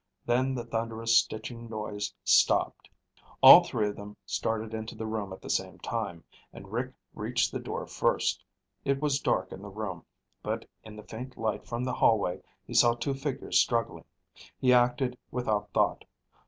Then the thunderous stitching noise stopped. All three of them started into the room at the same time, and Rick reached the door first. It was dark in the room, but in the faint light from the hallway he saw two figures struggling. He acted without thought.